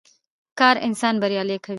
کار انسان بريالی کوي.